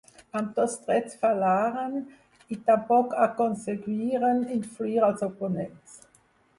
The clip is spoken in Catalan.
Ambdós trets fallaren, i tampoc aconseguiren influir als oponents.